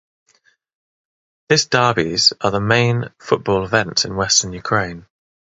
This derbys are the main football events in western Ukraine.